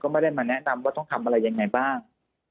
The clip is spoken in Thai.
ไม่ได้มาแนะนำว่าต้องทำอะไรยังไงบ้าง